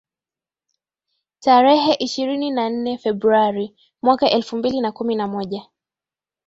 arehe ishirini na nne februari mwaka elfu mbili na kumi na moja